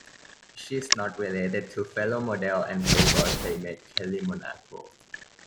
She is not related to fellow model and Playboy Playmate Kelly Monaco.